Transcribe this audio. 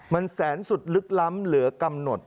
มันแสนสุดลึกล้ำเหลือกำหนด